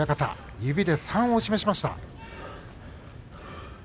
指で３を示しました。